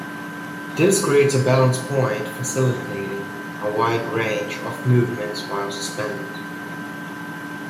This creates a balance point facilitating a wide range of movements while suspended.